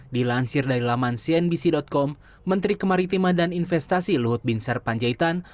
dilansir dari laman cnbc com menteri kemaritima dan investasi luhut bin sarpanjaitan